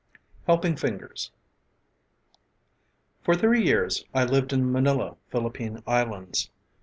"_ HELPING FINGERS For three years I lived in Manila, Philippine Islands.